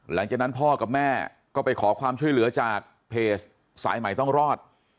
หลังจากนั้นพ่อกับแม่ก็ไปขอความช่วยเหลือจากเพจสายใหม่ต้องรอด